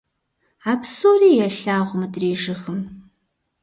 А псори елъагъу мыдрей жыгым.